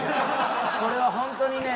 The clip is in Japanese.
これはホントにね